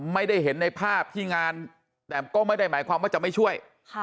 ไม่ได้เห็นในภาพที่งานแต่ก็ไม่ได้หมายความว่าจะไม่ช่วย